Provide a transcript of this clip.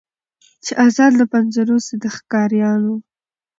چي آزاد له پنجرو سي د ښکاریانو